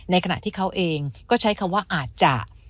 ขณะที่เขาเองก็ใช้คำว่าอาจจะ